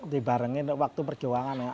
dibarengin waktu perjuangan ya